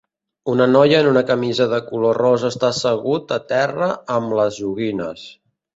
Una noia en una camisa de color rosa està assegut a terra amb les joguines.